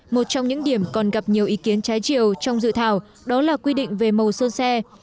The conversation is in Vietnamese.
một trong những điểm còn gặp nhiều ý kiến trái chiều trong dự thảo đó là quy định về màu sơn xe